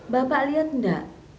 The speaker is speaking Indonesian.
bapak lihat enggak